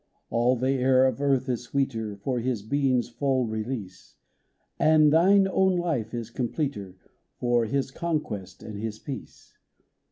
All the air of earth is sweeter For his being's full release ; And thine own life is completer For his conquest and his peace.